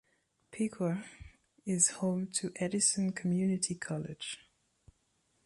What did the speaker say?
Piqua is home to Edison Community College.